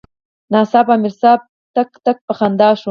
ناڅاپه امیر صېب ټق ټق پۀ خندا شۀ ـ